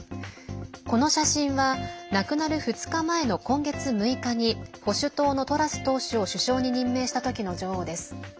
この写真は亡くなる２日前の今月６日に保守党のトラス党首を首相に任命した時の女王です。